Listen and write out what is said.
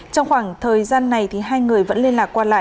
trong khoảng thời gian này hai người vẫn liên lạc qua lại